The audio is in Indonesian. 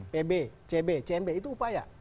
pb cb cnb itu upaya